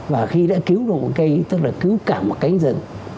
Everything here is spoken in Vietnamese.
và khi đã cứu được một cây tức là cứ cả một cánh rừng